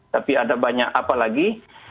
tapi ada banyak apalagi